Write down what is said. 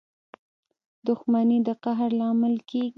• دښمني د قهر لامل کېږي.